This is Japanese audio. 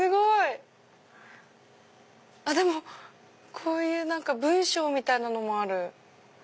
こういう文章みたいなのもある。